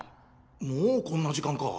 もうこんな時間か。